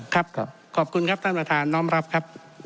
ครับขอบคุณครับท่านประธานน้อมรับครับ